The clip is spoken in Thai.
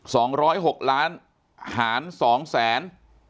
สองร้อยหกล้านหารสองแสน